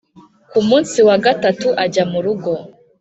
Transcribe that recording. ku munsi wa gatatu ajya murugo